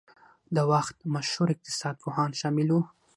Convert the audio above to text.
د وخت مشهور اقتصاد پوهان شامل وو.